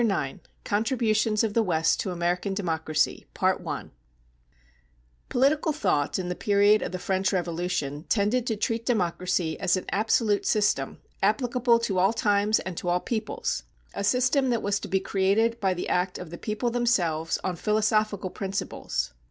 IX CONTRIBUTIONS OF THE WEST TO AMERICAN DEMOCRACY[243:1] Political thought in the period of the French Revolution tended to treat democracy as an absolute system applicable to all times and to all peoples, a system that was to be created by the act of the people themselves on philosophical principles.